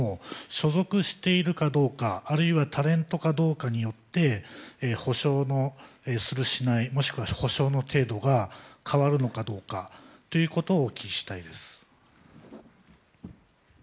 所属しているかどうか、あるいはタレントかどうかによって補償をするしないもしくは補償の程度が変わるのかどうかということをお聞きしたいです。